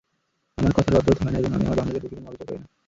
আমার কথার রদবদল হয় না এবং আমি আমার বান্দাদের প্রতি কোন অবিচার করি না।